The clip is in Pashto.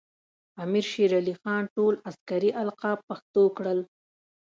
امیر شیر علی خان ټول عسکري القاب پښتو کړل.